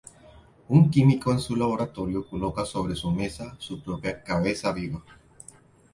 Un químico en su laboratorio coloca sobre su mesa su propia cabeza viva.